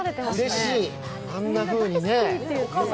うれしい、あんなふうにね。